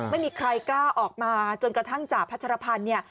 ไม่มีใครกล้าออกมาจนกระทั่งจ่าพัชรพันธ์เนี่ย